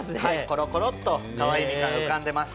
コロコロっとかわいいみかんが浮かんでます。